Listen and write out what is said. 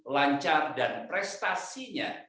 lancar dan prestasinya